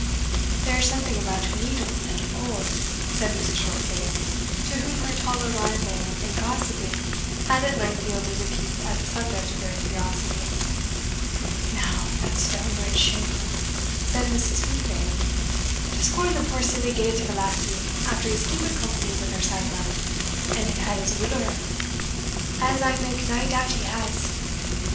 "There's something about a needle and a pole," said Mrs. Shortcake, to whom her taller rival in gossiping had at length yielded a peep at the subject of their curiosity. "Now, that's downright shamefu'," said Mrs. Heukbane, "to scorn the poor silly gait of a lassie after he's keepit company wi' her sae lang, and had his will o' her, as I make nae doubt he has."